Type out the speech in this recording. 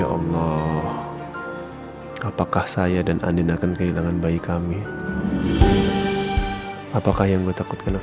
ya allah apakah saya dan andin akan kehilangan bayi kami apakah yang gue takutkan